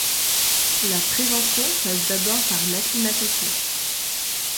La prévention passe d'abord par l'acclimatation.